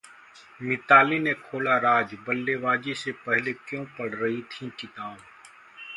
मिताली ने खोला राज, बल्लेबाजी से पहले क्यों पढ़ रही थीं किताब